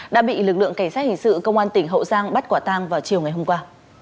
đã bị lực lượng cảnh sát hình sự công an tỉnh hậu giang bắt quả tang vào chiều ngày hôm qua